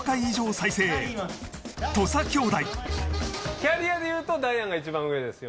キャリアでいうとダイアンが一番上ですよね？